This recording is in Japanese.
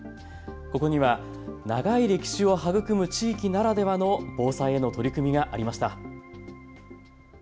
ここには長い歴史を育む地域ならではの防災への取り組みがありました。